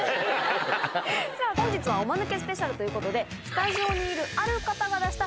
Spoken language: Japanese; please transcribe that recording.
本日はおマヌケスペシャルということでスタジオにいるある方が出した